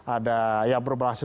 ada ya berbalas